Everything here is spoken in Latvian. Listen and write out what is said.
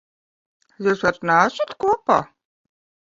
Jūs vairs neesat kopā?